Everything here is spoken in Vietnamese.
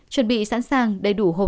chuẩn bị sẵn sàng đầy đủ hộp thuốc